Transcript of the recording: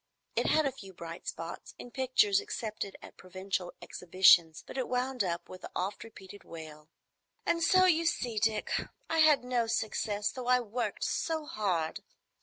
It had a few bright spots, in pictures accepted at provincial exhibitions, but it wound up with the oft repeated wail, "And so you see, Dick, I had no success, though I worked so hard."